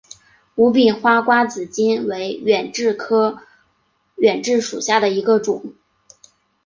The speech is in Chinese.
无柄花瓜子金为远志科远志属下的一个种。